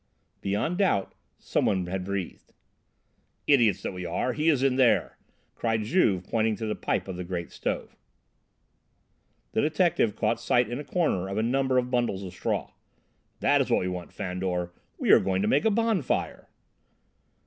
Beyond doubt some one had breathed! "Idiots that we are! He is in there," cried Juve, pointing to the pipe of the great stove. The detective caught sight in a corner of a number of bundles of straw. "That is what we want, Fandor! We are going to make a bonfire."